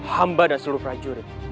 hamba dan seluruh prajurit